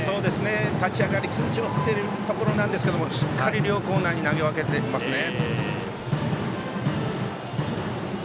立ち上がり緊張しているところなんですけどしっかり両コーナーに投げ分けていますね。